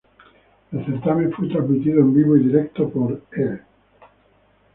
El certamen fue transmitido en vivo y directo por E!